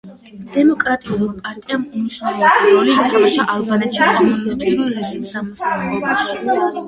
დემოკრატიულმა პარტიამ უმნიშვნელოვანესი როლი ითამაშა ალბანეთში კომუნისტური რეჟიმის დამხობაში.